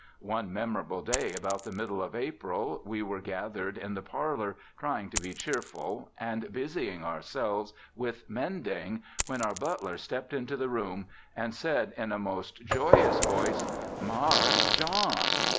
One memorable day about the middle of April we were gathered in the parlor trying to be cheerful and busying ourselves with mending when our butler stepped into the room and said in a most joyous voice "Mars John."